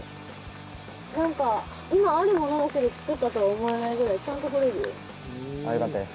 今あるものだけで作ったとは思えないぐらいちゃんと掘れるよ。